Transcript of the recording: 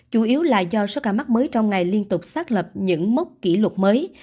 chủ yếu là do số ca mắc mới trong ngày liên tục xác lập những mốc kỷ lục mới